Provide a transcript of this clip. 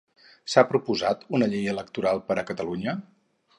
S'ha proposat una llei electoral per a Catalunya.